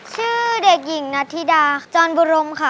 ชื่อเด็กหญิงนัทธิดาจรบุรมค่ะ